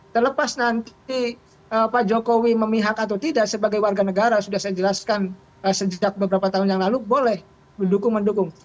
terlepas nanti pak jokowi memihak atau tidak sebagai warga negara sudah saya jelaskan sejak beberapa tahun yang lalu boleh mendukung mendukung